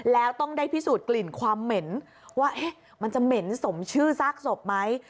แล้วต้องได้พิสูจนกลิ่นความเหม็นว่ามันจะเหม็นสมชื่อซากศพไหม